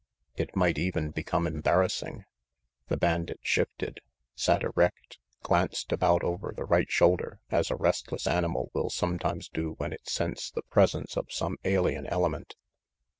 It might even become embarrassing. The bandit shifted, sat erect, glanced about over the right shoulder, as a restless animal will sometimes do when it scents the presence of some alien ele ment.